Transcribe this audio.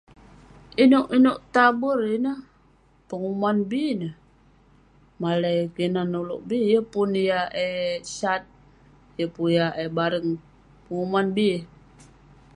Inouk inouk taber ineh, penguman bi ineh. Malai kinan ulouk bi, yeng pun yah eh sat, yeng pun yah eh bareng. Penguman bi.